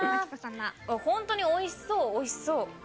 本当においしそう、おいしそう。